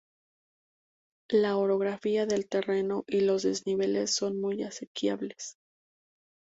La orografía del terreno y los desniveles son muy asequibles.